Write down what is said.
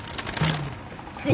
はい。